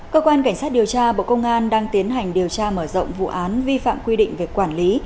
cơ quan cảnh sát điều tra bộ công an đang tiến hành điều tra mở rộng vụ án vi phạm quy định về quản lý